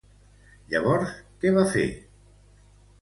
Llavors, què va fer?